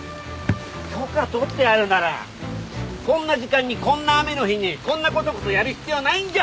許可取ってあるならこんな時間にこんな雨の日にこんなこそこそやる必要ないんじゃ！？